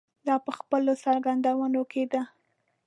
دا په خپلو څرګندونو کې ده.